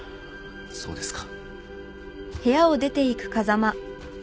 そうですか。